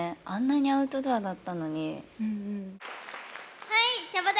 あんなにアウトドアだったのにはい茶